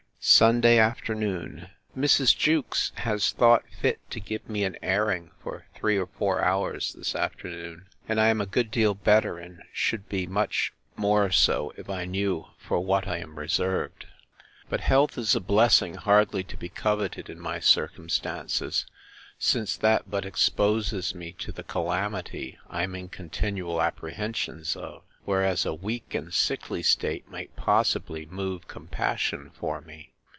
Sunday afternoon. Mrs. Jewkes has thought fit to give me an airing, for three or four hours, this afternoon; and I am a good deal better and should be much more so, if I knew for what I am reserved. But health is a blessing hardly to be coveted in my circumstances, since that but exposes me to the calamity I am in continual apprehensions of; whereas a weak and sickly state might possibly move compassion for me.